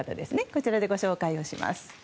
こちらでご紹介します。